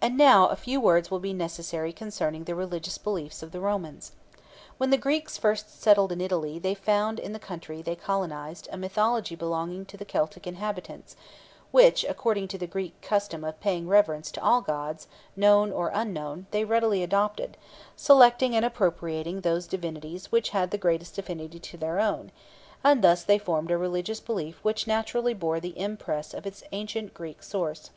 And now a few words will be necessary concerning the religious beliefs of the Romans. When the Greeks first settled in Italy they found in the country they colonized a mythology belonging to the Celtic inhabitants, which, according to the Greek custom of paying reverence to all gods, known or unknown, they readily adopted, selecting and appropriating those divinities which had the greatest affinity to their own, and thus they formed a religious belief which naturally bore the impress of its ancient Greek source.